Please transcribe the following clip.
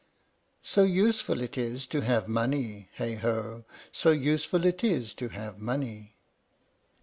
So useful it is to have money, heigh ho! So useful it is to have money!